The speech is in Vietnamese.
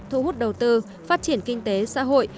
thu hút đầu tư phát triển kinh tế xã hội